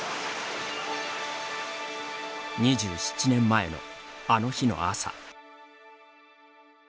２７年前の、あの日の朝。